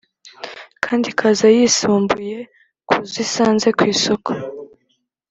kandi ikaza yisumbuye ku zo isanze ku isoko